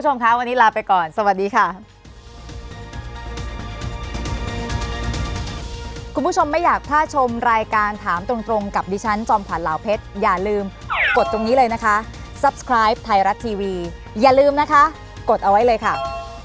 ชมค่ะวันนี้ลาไปก่อนสวัสดีค่ะ